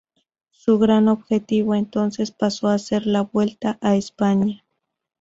Su gran objetivo entonces, pasó a ser la Vuelta a España.